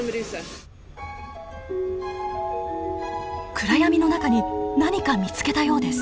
暗闇の中に何か見つけたようです。